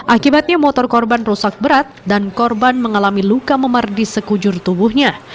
akibatnya motor korban rusak berat dan korban mengalami luka memar di sekujur tubuhnya